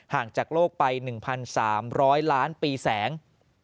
ห่างจากโลกไป๑๓๐๐ล้านปีแสง